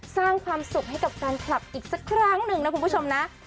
สร้างความสุขให้กับแฟนคลับอีกสักครั้งหนึ่งนะคุณผู้ชมนะ